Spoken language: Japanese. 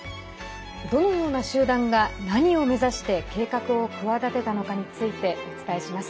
どのような集団が何を目指して計画を企てたのかについてお伝えします。